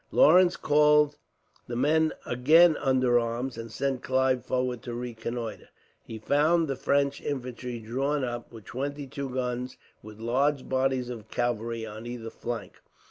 Lawrence called the men again under arms, and sent Clive forward to reconnoitre. He found the French infantry drawn up, with twenty two guns, with large bodies of cavalry on either flank.